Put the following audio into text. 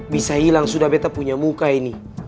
bisa hilang sudah beta punya muka ini